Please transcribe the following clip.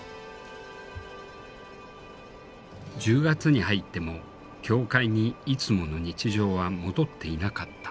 １０月に入っても教会にいつもの日常は戻っていなかった。